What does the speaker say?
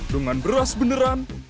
dengan beras beneran